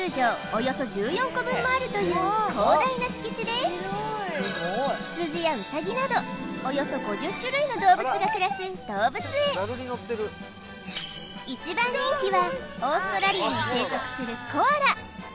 およそ１４個分もあるという広大な敷地でヒツジやウサギなどおよそ５０種類の動物が暮らす動物園ザルに乗ってる一番人気はオーストラリアに生息するコアラ